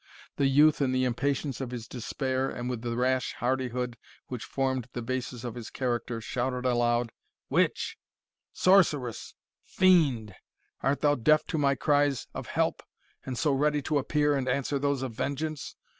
The youth, in the impatience of his despair, and with the rash hardihood which formed the basis of his character, shouted aloud, "Witch Sorceress Fiend! art thou deaf to my cries of help, and so ready to appear and answer those of vengeance?